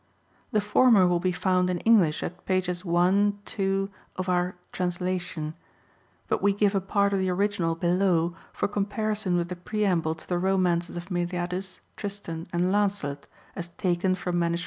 The former will be found in English at pp. i, 2, of our Translation ; but we give a part of the original below f for com parison with the preamble to the Romances of Meliadus, Tristan, and Lancelot, as taken from MS.